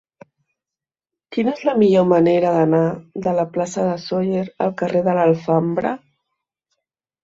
Quina és la millor manera d'anar de la plaça de Sóller al carrer de l'Alfambra?